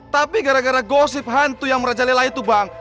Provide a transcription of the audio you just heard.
tapi gara gara gosip hantu yang merajalela itu bang